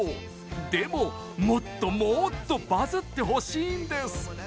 でも、もっともーっとバズってほしいんです！